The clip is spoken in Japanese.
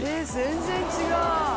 全然違う！